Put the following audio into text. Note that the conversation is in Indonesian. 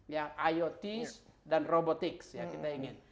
ya iots dan robotics ya kita ingin